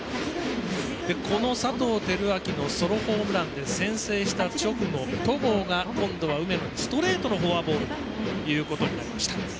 佐藤輝明のソロホームランで先制した直後、戸郷が今度は梅野にストレートのフォアボールになりました。